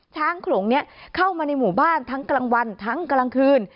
โขลงนี้เข้ามาในหมู่บ้านทั้งกลางวันทั้งกลางคืน